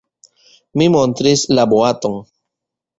Mi montris la boaton.